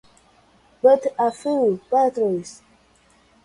But a few - Patrie!